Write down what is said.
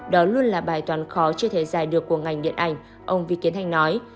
đó luôn là bài toán khó chưa thể giải được của ngành điện ảnh ông vi kiến thanh nói